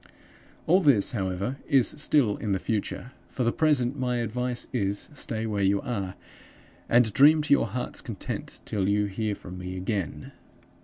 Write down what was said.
"All this, however, is still in the future. For the present my advice is, stay where you are, and dream to your heart's content, till you hear from me again.